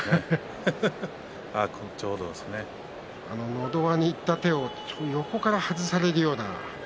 のど輪にいった手を横から外されるような。